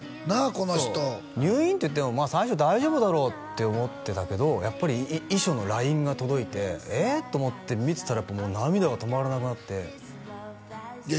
この人入院っていってもまあ最初大丈夫だろうって思ってたけどやっぱり遺書のＬＩＮＥが届いて「えっ？」と思って見てたらやっぱもう涙が止まらなくなっていや